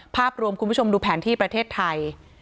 ภาพรวมคุณผู้ชมดูแผนที่ประเทศไทย